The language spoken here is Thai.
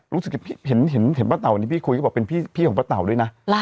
รู้สึกเห็นป้าเต่าวันนี้พี่คุยก็บอกเป็นพี่ของป้าเต๋าด้วยนะ